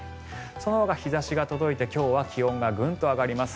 そのほか、日差しが届いて今日は気温がグンと上がります。